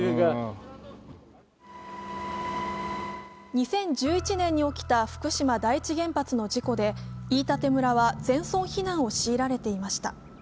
２０１１年に起きた福島第一原発の事故で飯舘村は全村避難を強いられていました。